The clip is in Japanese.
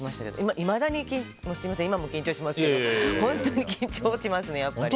いまだに今も緊張していますけど本当に緊張しますね。